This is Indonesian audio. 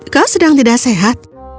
kau sedang tidak sehat